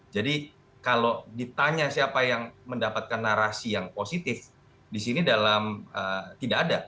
jadi kalau ditanya siapa yang mendapatkan narasi yang positif di sini dalam tidak ada